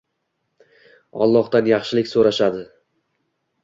Allohdan yaxshilik so‘rashadi.